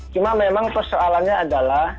cuma memang persoalannya adalah